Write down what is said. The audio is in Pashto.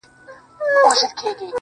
• داسي محراب غواړم، داسي محراب راکه.